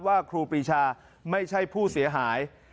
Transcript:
ครูปรีชาไม่ใช่ผู้เสียหาย